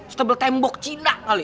stebel tembok cina kali